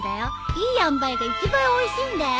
いいあんばいが一番おいしいんだよ。